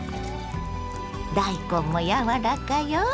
大根も柔らかよ。